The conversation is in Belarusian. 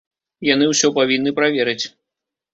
Яны ўсё павінны праверыць.